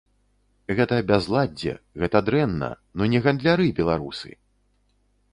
Гэта бязладдзе, гэта дрэнна, ну не гандляры беларусы!